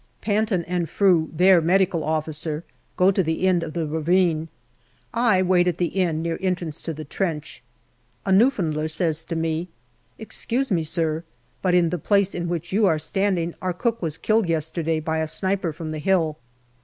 Panton and Frew, their M.O., go to the end of the ravine. I wait at the end near entrance to the trench. A Newfoundlander says to me, " Excuse me, sir, but in the place in which you are standing our cook was killed yesterday by a sniper from the hill."